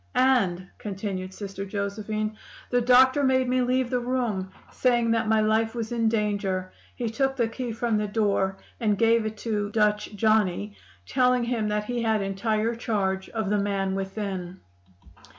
'And,' continued Sister Josephine, 'the doctor made me leave the room, saying that my life was in danger. He took the key from the door and gave it to "Dutch Johnny," telling him that he had entire charge of the man within.